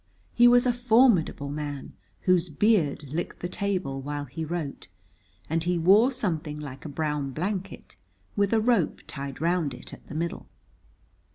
He was a formidable man, whose beard licked the table while he wrote, and he wore something like a brown blanket, with a rope tied round it at the middle.